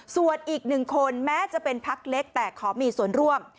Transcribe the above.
ส่วนอีกหนึ่งคนแม้จะเป็นพักเล็กแต่ขอมีส่วนร่วม